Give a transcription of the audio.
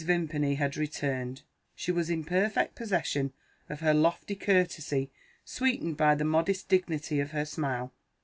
Vimpany had returned; she was in perfect possession of her lofty courtesy, sweetened by the modest dignity of her smile.